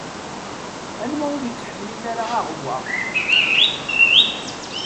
Anwa ur yettḥemmilen ara aɣewwaɣ?